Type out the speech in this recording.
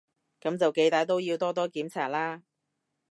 噉就幾歹都要多多檢查啦